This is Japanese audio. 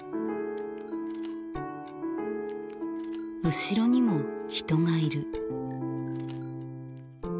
後ろにも人がいる。